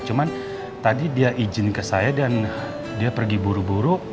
cuma tadi dia izin ke saya dan dia pergi buru buru